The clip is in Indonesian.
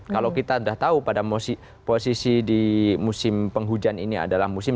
kalau kita sudah tahu pada posisi di musim penghujan ini adalah musim